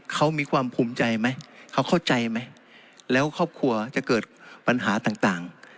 เขามีความภูมิใจไหมเขาเข้าใจไหมแล้วครอบครัวจะเกิดปัญหาต่าง